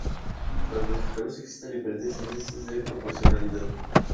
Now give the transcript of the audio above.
Para clasificarlos, existen diferentes índices de proporcionalidad.